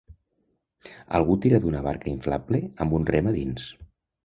Algú tira d'una barca inflable amb un rem a dins